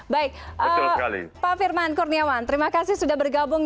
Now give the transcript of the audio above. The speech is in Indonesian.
baik pak firman kurniawan terima kasih sudah bergabung